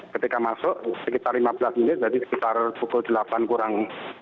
ketika masuk sekitar lima belas menit jadi sekitar pukul delapan kurang